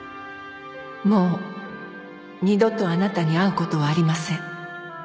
「もう二度とあなたに会う事はありません」